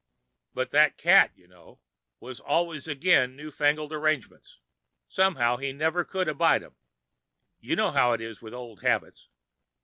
But that cat, you know, was always agin new fangled arrangements—somehow he never could abide 'em. You know how it is with old habits.